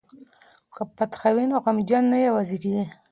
که فاتحه وي نو غمجن نه یوازې کیږي.